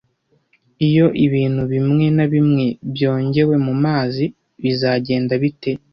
Iyo ibintu bimwe na bimwe byongewe mumazi, bizagenda bite